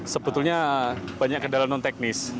sebetulnya banyak kendala non teknis